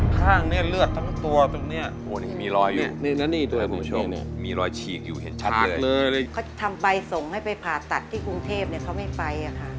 เขาทำใบส่งให้ไปผ่าตัดที่กรุงเทพเขาไม่ไปค่ะ